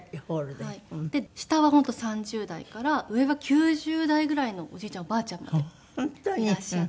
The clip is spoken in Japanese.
で下は本当３０代から上は９０代ぐらいのおじいちゃんおばあちゃんまでいらっしゃって。